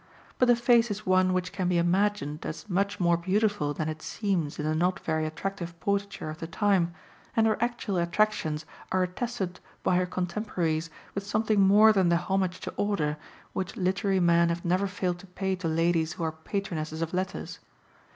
But the face is one which can be imagined as much more beautiful than it seems in the not very attractive portraiture of the time, and her actual attractions are attested by her contemporaries with something more than the homage to order which literary men have never failed to pay to ladies who are patronesses of letters.